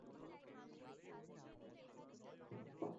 এটা বাস্তবায়িত হলে দুটি দেশের বেশ কিছু মানুষের নিত্য ভোগান্তির অবসান ঘটত।